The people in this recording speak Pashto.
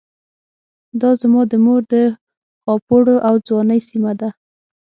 دا زما د مور د خاپوړو او ځوانۍ سيمه ده.